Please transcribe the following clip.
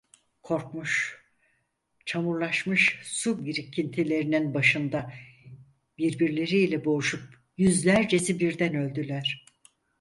Kokmuş, çamurlaşmış su birikintilerinin başında, birbirleriyle boğuşup, yüzlercesi birden öldüler.